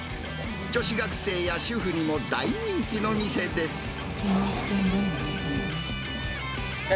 女子学生や主婦にも大人気の店です。